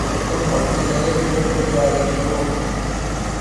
تم اپنے نئے گھر کب جا رہی ہو